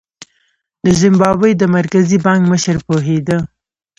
د زیمبابوې د مرکزي بانک مشر پوهېده.